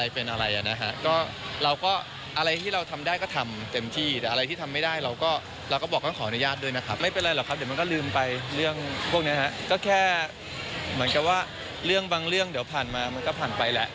เพราะว่าเรื่องบางเรื่องเดี๋ยวผ่านมามันก็ผ่านไปแหละ